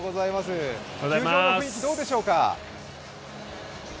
球場の雰囲気どうでしょうか？